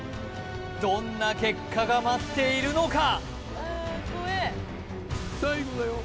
どんな結果が待っているのか？